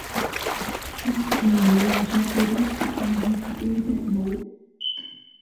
今次你用咗幾多時間去排呢隻舞￼